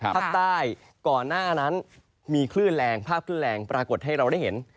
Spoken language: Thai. ภาคใต้ก่อนหน้านั้นมีคลื่นแรงภาพคลื่นแรงปรากฏให้เราได้เห็น